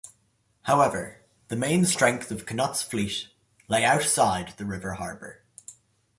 However, the main strength of Cnut's fleet lay outside the river harbour.